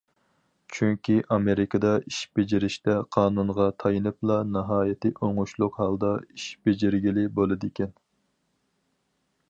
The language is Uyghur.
چۈنكى ئامېرىكىدا ئىش بېجىرىشتە قانۇنغا تايىنىپلا ناھايىتى ئوڭۇشلۇق ھالدا ئىش بېجىرگىلى بولىدىكەن.